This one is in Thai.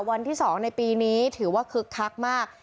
วันที่๒ในปีนี้ถือว่าคึกคักมาก